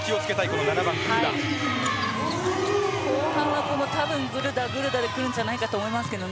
後半はグルダ、グルダでくるんじゃないかと思います。